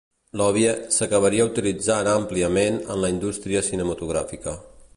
L'"Obie" s'acabaria utilitzant àmpliament en la indústria cinematogràfica.